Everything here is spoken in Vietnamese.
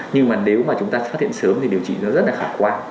nhưng mà nếu mà chúng ta phát hiện sớm thì điều trị nó rất là khả quan